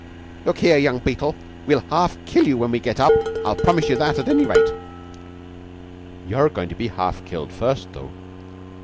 "Look here, young Beetle, we'll half kill you when we get up. I'll promise you that, at any rate." "You're going to be half killed first, though.